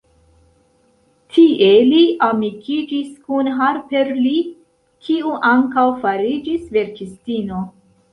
Tie li amikiĝis kun Harper Lee, kiu ankaŭ fariĝis verkistino.